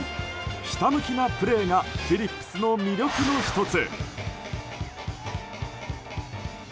ひたむきなプレーがフィリップスの魅力の１つ。